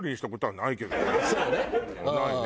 ないね。